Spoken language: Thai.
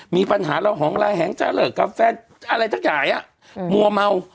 มีปัญหาระหองลายแหงจะเลิกกับแฟนอะไรทั้งหลายมัวเมา